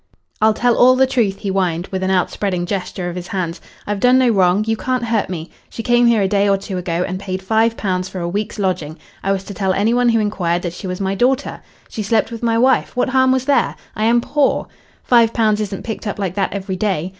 "I'll tell all the truth," he whined, with an outspreading gesture of his hands. "I've done no wrong. You can't hurt me. She came here a day or two ago and paid five pounds for a week's lodging. I was to tell any one who inquired that she was my daughter. She slept with my wife. What harm was there? I am poor. Five pounds isn't picked up like that every day.